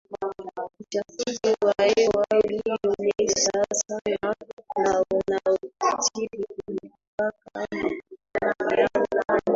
Uchafuzi wa Hewa Ulioenea Sana na Unaokithiri Mipaka makubaliano ya